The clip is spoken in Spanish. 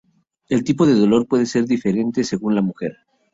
El tipo de dolor puede ser diferente según la mujer.